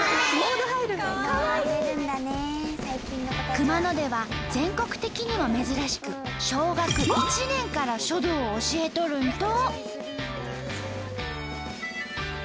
熊野では全国的にも珍しく小学１年から書道を教えとるんと！